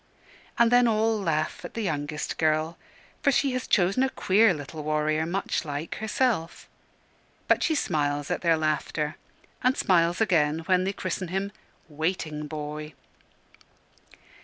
And then all laugh at the youngest girl, for she has chosen a queer little warrior, much like herself; but she smiles at their laughter, and smiles again when they christen him "Waiting Boy."